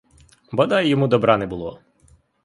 Бодай йому добра не було!